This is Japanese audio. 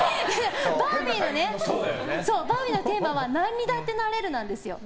バービーのテーマは何にだってなれるなんですよ。